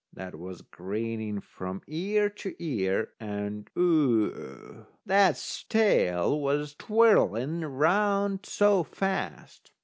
That was grinning from ear to ear, and Oo! that's tail was twirling round so fast.